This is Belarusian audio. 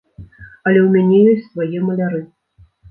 Але ў мяне ёсць свае маляры.